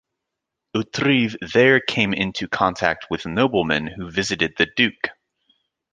Hauterive there came into contact with noblemen who visited the duke.